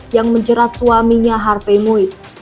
yang menjerat suaminya harvey muiz